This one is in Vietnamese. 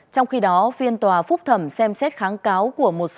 trong khi đó phiên tòa phúc thẩm xem xét kháng cáo của một tổ chức